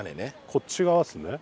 こっち側ですね。